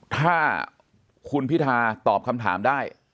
ถ้าคุณพิธาตอบคำถามได้